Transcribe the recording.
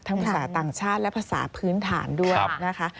ภาษาต่างชาติและภาษาพื้นฐานด้วยนะคะ